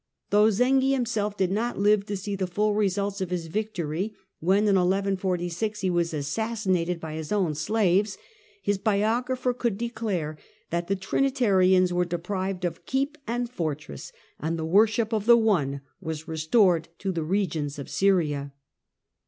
Though Zengy himself did not live to see the full results of his victory, when in 1146 he was assassinated by his own slaves his biographer could declare that the Trinitarians were deprived of keep and fortress, and the worship of the One was restored in the regions of Syria.